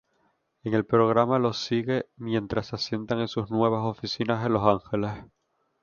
El programa los sigue mientras se asientan en sus nuevas oficinas en Los Ángeles.